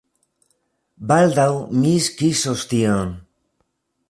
Baldaŭ mi skizos tion!